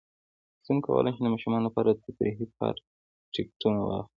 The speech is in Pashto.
څنګه کولی شم د ماشومانو لپاره د تفریحي پارک ټکټونه واخلم